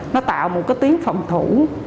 nó tạo một cái tuyến phòng thủ